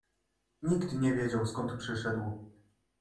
Nikt nie wiedział, skąd przyszedł.